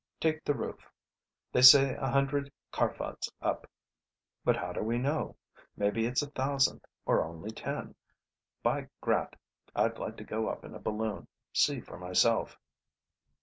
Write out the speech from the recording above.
Take the roof. They say a hundred kharfads up; but how do we know? Maybe it's a thousand or only ten. By Grat, I'd like to go up in a balloon, see for myself."